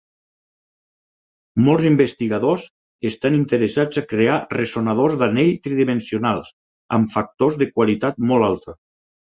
Molts investigadors estan interessats a crear ressonadors d'anell tridimensionals amb factors de qualitat molt alta.